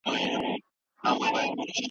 که دستکشې وي نو لاس نه سوځي.